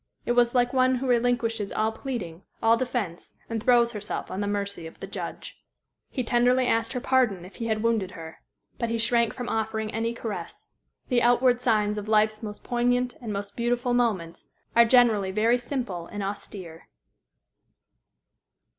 It was like one who relinquishes all pleading, all defence, and throws herself on the mercy of the judge. He tenderly asked her pardon if he had wounded her. But he shrank from offering any caress. The outward signs of life's most poignant and most beautiful moments are generally very simple and austere.